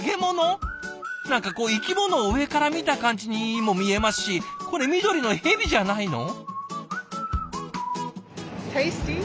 何かこう生き物を上から見た感じにも見えますしこれ緑のヘビじゃないの？